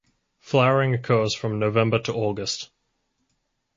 Flowering occurs from November to August.